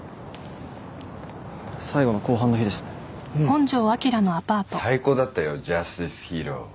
最高だったよ『ジャスティスヒーロー』